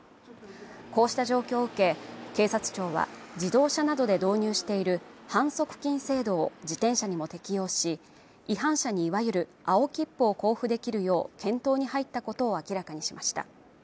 こうした状況を受け警察庁は自動車などで導入している反則金制度を自転車にも適用し違反者にいわゆる青切符を交付できるよう検討に入ったことを明らかにしました